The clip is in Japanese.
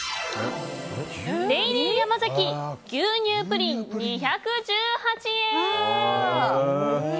デイリーヤマザキ牛乳プリン、２１８円。